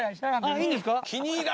あっいいんですか？